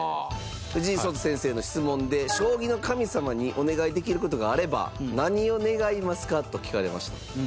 藤井聡太先生への質問で「将棋の神様にお願いできる事があれば何を願いますか？」と聞かれました。